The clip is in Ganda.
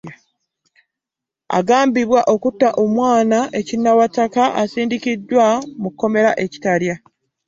Agambibwa okutta omwana e Kinnawataka asindikiddwa mu kkomera e Kitalya.